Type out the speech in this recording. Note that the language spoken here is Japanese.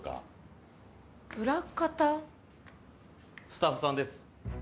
スタッフさんです。